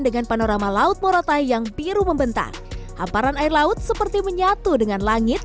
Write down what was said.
dengan panorama laut moratai yang biru membentang hamparan air laut seperti menyatu dengan langit